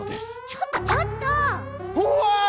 ちょっとちょっと！Ｗｈｙ！？